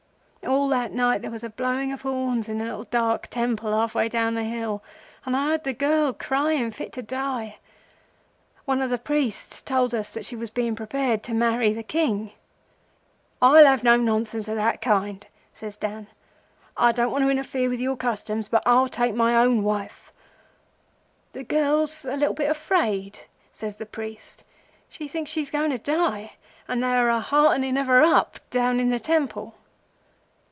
All that night there was a blowing of horns in a little dark temple half way down the hill, and I heard a girl crying fit to die. One of the priests told us that she was being prepared to marry the King. "'I'll have no nonsense of that kind,' says Dan. 'I don't want to interfere with your customs, but I'll take my own wife. 'The girl's a little bit afraid,' says the priest. 'She thinks she's going to die, and they are a heartening of her up down in the temple.